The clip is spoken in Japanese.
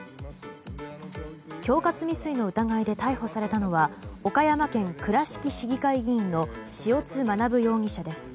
恐喝未遂の疑いで逮捕されたのは岡山県倉敷市議会議員の塩津学容疑者です。